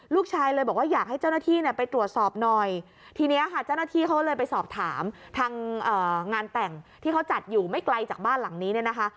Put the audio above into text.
ลูกชายเลยบอกว่าอยากให้เจ้าหน้าที่เนี่ยไปตรวจสอบหน่อยทีนี้ค่ะเจ้าหน้าที่เขาเลยไปสอบถามทางงานแต่งที่เขาจัดอยู่ไม่ไกลจากบ้านหลังนี้เนี่ยนะคะ